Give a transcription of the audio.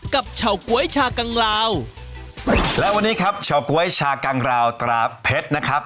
เฉาก๊วยชากังลาวและวันนี้ครับเฉาก๊วยชากังราวตราเพชรนะครับ